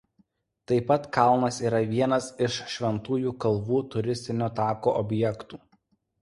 Taip pat kalnas yra vienas iš Šventųjų kalvų turistinio tako objektų.